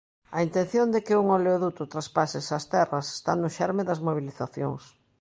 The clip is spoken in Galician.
A intención de que un oleoduto traspase esas terras está no xerme das mobilizacións.